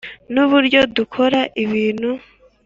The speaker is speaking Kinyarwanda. nuburyo dukora ibintu.